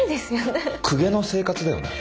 公家の生活だよねあれ。